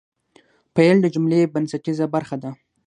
فعل د جملې بنسټیزه برخه ده.